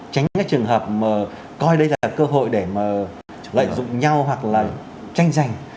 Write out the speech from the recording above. tránh cái trường hợp mà coi đây là cơ hội để mà lợi dụng nhau hoặc là tranh giành